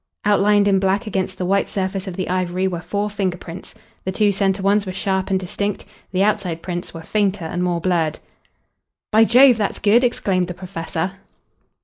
Outlined in black against the white surface of the ivory were four finger prints. The two centre ones were sharp and distinct, the outside prints were fainter and more blurred. "By Jove, that's good!" exclaimed the professor.